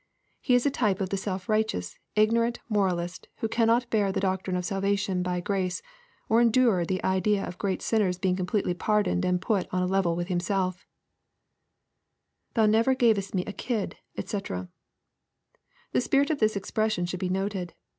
He is a type of the self righteous, ignorant moralist, who cannot bear the doctrine of salvation by grace, or endure the idea of great sinners being completely pardoned and put on a level with him3el£ [Thou never gavest Tne a hid, dkc] The spirit of tais expression should be noted.